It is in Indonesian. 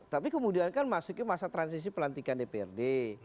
tapi kemudian kan masuknya masa transisi pelantikan dprd